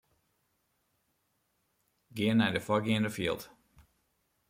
Gean nei de foargeande fjild.